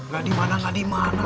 gak dimana gak dimana